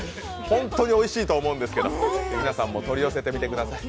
本当においしいと思うんですけど皆さんも取り寄せてみてください。